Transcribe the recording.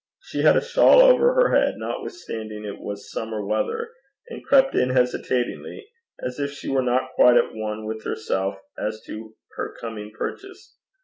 She had a shawl over her head, notwithstanding it was summer weather, and crept in hesitatingly, as if she were not quite at one with herself as to her coming purchase.